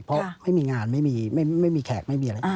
เพราะไม่มีงานไม่มีแขกไม่มีอะไร